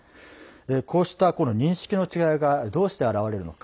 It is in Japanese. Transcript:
こうした認識の違いがどうして表れるのか。